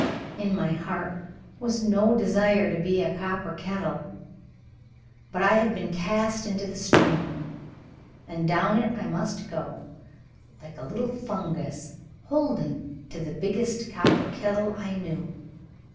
In my heart was no desire to be a copper kettle. But I had been cast into the stream, and down it I must go, like a little fungus holding to the biggest copper kettle I knew.